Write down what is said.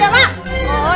jangan seru bu